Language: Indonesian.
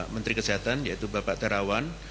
menteri kesehatan yaitu bapak terawan